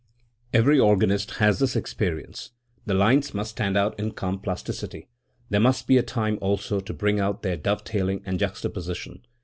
Every organist has this experience. The lines must stand out in calm plasticity. There must be time also to bring out their dovetailing and juxtaposition.